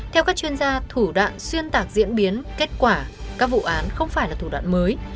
theo các chuyên gia thủ đoạn xuyên tạc diễn biến kết quả các vụ án không phải là thủ đoạn mới